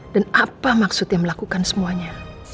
dan apa maksudnya melakukan semuanya